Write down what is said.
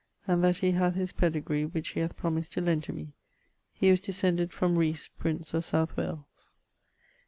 ], and that he hath his pedegree, which he hath promised to lend to me. He was descended from Rees, prince of South Wales.